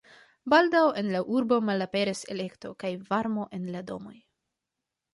Baldaŭ en la urbo malaperis elektro kaj varmo en la domoj.